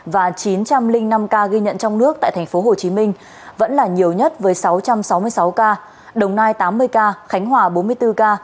và chín trăm linh năm ca ghi nhận trong nước tại tp hcm vẫn là nhiều nhất với sáu trăm sáu mươi sáu ca đồng nai tám mươi ca khánh hòa bốn mươi bốn ca